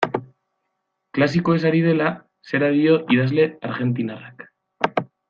Klasikoez ari dela, zera dio idazle argentinarrak.